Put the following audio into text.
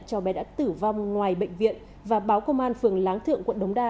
cháu bé đã tử vong ngoài bệnh viện và báo công an phường láng thượng quận đống đa